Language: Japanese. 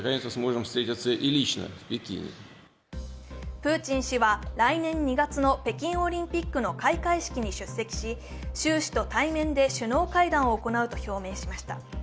プーチン氏は来年２月の北京オリンピックの開会式に出席し、習氏と対面で首脳会談を行うと表明しました。